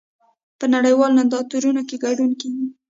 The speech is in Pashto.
په نړیوالو نندارتونونو کې ګډون کیږي